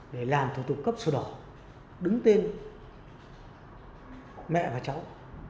để làm thủ tục cấp sổ đỏ đứng tên mẹ và cháu